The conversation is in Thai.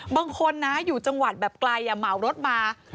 บางคนนะอยู่จังหวัดแบบไกลเหมารถมา